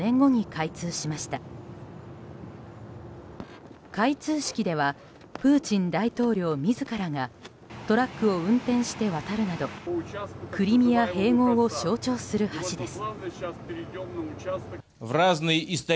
開通式ではプーチン大統領自らがトラックを運転して渡るなどクリミア併合を象徴する橋です。